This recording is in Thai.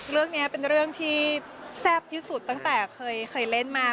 เรื่องนี้เป็นเรื่องที่แซ่บที่สุดตั้งแต่เคยเล่นมา